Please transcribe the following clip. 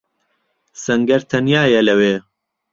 سەنگەر تەنیایە لەوێ.